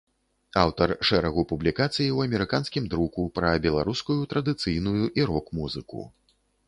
Аўтар шэрагу публікацый у амерыканскім друку пра беларускую традыцыйную і рок-музыку.